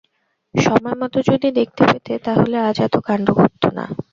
সময়মত যদি দেখতে পেতে তা হলে আজ এত কাণ্ড ঘটত না।